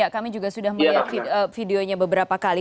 kami juga sudah melihat videonya beberapa kali